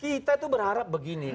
kita itu berharap begini